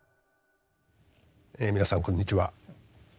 え皆さんこんにちは。